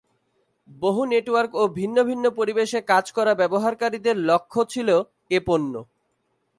বহু নেটওয়ার্ক ও ভিন্ন ভিন্ন পরিবেশে কাজ করা ব্যবহারকারীদের লক্ষ্য ছিলো এ পণ্য।